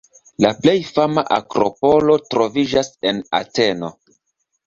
La plej fama akropolo troviĝas en Ateno.